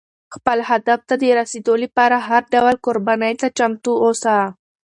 خپل هدف ته د رسېدو لپاره هر ډول قربانۍ ته چمتو اوسه.